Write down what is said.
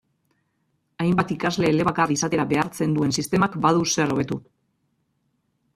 Hainbat ikasle elebakar izatera behartzen duen sistemak badu zer hobetu.